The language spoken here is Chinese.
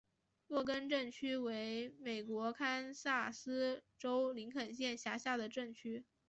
洛根镇区为美国堪萨斯州林肯县辖下的镇区。